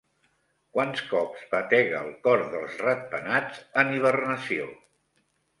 Quants cops batega el cor dels ratpenats en hibernació?